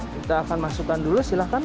kita akan masukkan dulu silahkan